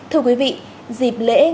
thưa quý vị dịp lễ